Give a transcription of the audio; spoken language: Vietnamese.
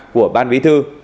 của ban bí thư